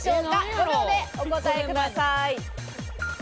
５秒でお答えください。